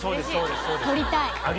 撮りたい。